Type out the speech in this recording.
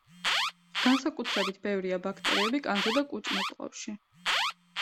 განსაკუთრებით ბევრია ბაქტერიები კანზე და კუჭ–ნაწლავში.